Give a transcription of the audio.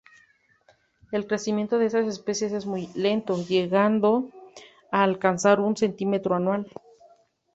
El crecimiento de estas especies es muy lento, llegando a alcanzar un centímetro anual.